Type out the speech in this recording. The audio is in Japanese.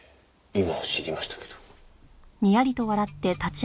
今知りましたけど。